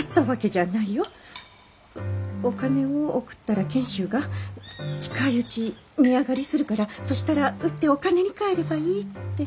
お金を送ったら賢秀が「近いうち値上がりするからそしたら売ってお金に換えればいい」って。